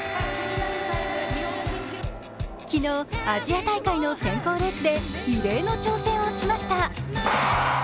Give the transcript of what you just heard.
昨日、アジア大会の選考レースで異例の挑戦をしました。